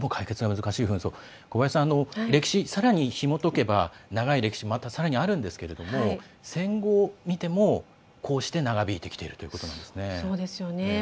小林さん、歴史をさらにひもとけば長い歴史またさらにあるんですが戦後を見てもこうして長引いてきているということなんですね。